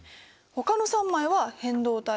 ほかの３枚は変動帯。